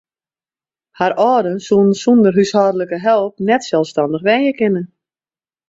Har âlden soene sûnder húshâldlike help net selsstannich wenje kinne.